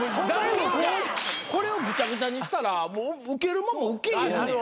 これをぐちゃぐちゃにしたらもうウケるもんもウケへんねん。